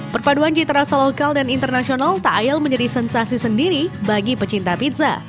perpaduan cita rasa lokal dan internasional tak ayal menjadi sensasi sendiri bagi pecinta pizza